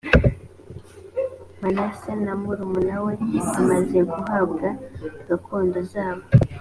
manase na murumuna we bamaze guhabwa gakondo zabo